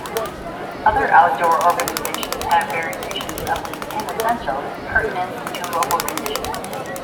Other outdoor organizations have variations of the "Ten Essentials" pertinent to local conditions.